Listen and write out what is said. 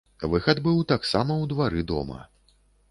Выхад быў таксама ў двары дома.